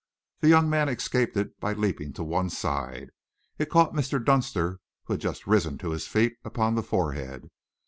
The young man escaped it by leaping to one side. It caught Mr. Dunster, who had just risen to his feet, upon the forehead.